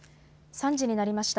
３時になりました。